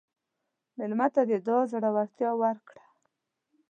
مېلمه ته د دعا زړورتیا ورکړه.